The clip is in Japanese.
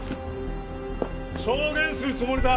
証言するつもりだ。